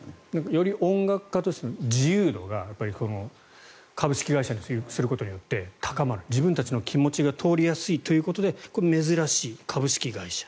より音楽家としての自由度が株式会社にすることによって高まる自分たちの気持ちが通りやすいということで珍しい株式会社。